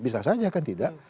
bisa saja kan tidak